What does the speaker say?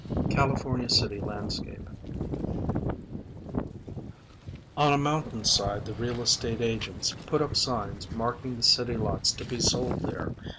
CALIFORNIA CITY LANDSCAPE On a mountain side the real estate agents Put up signs marking the city lots to be sold there.